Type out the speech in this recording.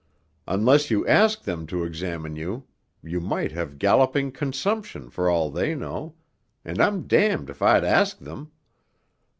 Unless you ask them to examine you you might have galloping consumption for all they know, and I'm damned if I'd ask them....